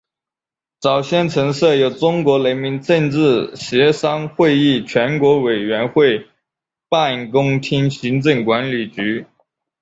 早先曾设有中国人民政治协商会议全国委员会办公厅行政管理局。